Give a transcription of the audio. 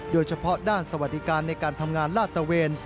โดยเฉพาะด้านสวัสดิการในการทำงานลาดตะเวน